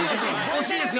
惜しいですよ！